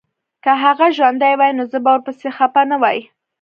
که هغه ژوندی وای نو زه به ورپسي خپه نه وای